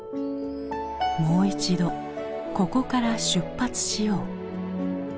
「もう一度ここから出発しよう」。